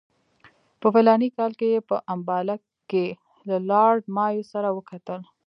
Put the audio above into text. په فلاني کال کې یې په امباله کې له لارډ مایو سره وکتل.